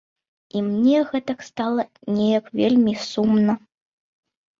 І мне гэта стала неяк вельмі сумна.